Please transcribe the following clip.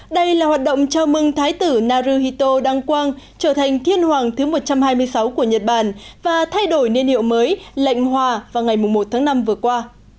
đây là hoạt động chào mừng thái tử naruhito đăng quang trở thành thiên hoàng thứ một trăm hai mươi sáu của nhật bản và thay đổi niên hiệu mới lệnh hòa vào ngày một tháng năm vừa qua